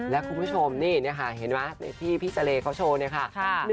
และคุณผู้ชมนี้เลยเห็นณที่พี่เฉล๊กเขาโชว์เนี้ยค่ะ